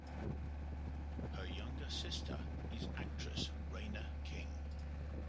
Her younger sister is actress Reina King.